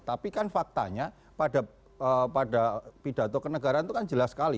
tapi kan faktanya pada pidato kenegaraan itu kan jelas sekali